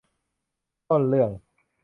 ต้นเรื่อง